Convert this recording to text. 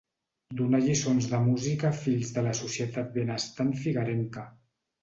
Donà lliçons de música a fills de la societat benestant figuerenca.